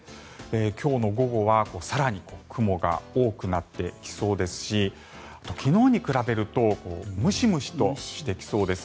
今日の午後は更に雲が多くなってきそうですし昨日に比べるとムシムシとしてきそうです。